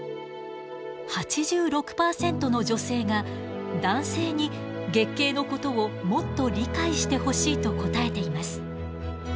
８６％の女性が男性に月経のことをもっと理解してほしいと答えています。